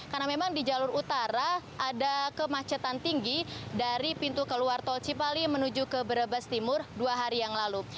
karena memang di jalur utara ada kemacetan tinggi dari pintu keluar tol cipali menuju ke brebes timur dua hari yang lalu